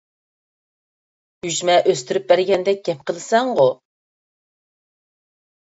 ئۈجمە ئۈستۈرۈپ بەرگەندەك گەپ قىلىسەنغۇ؟ !